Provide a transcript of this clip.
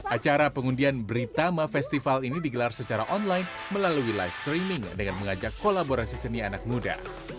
acara pengundian britama festival ini digelar secara online melalui live streaming dengan mengajak kolaborasi seni anak muda